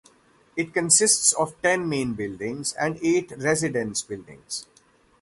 It consists of ten main buildings and eight residence buildings.